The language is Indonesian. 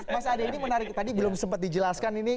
mas ade ini menarik tadi belum sempat dijelaskan ini